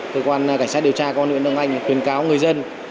cơ quan cảnh sát điều tra công an huyện đông anh khuyến cáo người dân